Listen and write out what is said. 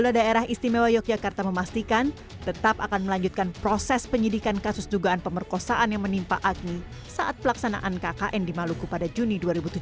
kepala daerah istimewa yogyakarta memastikan tetap akan melanjutkan proses penyidikan kasus dugaan pemerkosaan yang menimpa agni saat pelaksanaan kkn di maluku pada juni dua ribu tujuh belas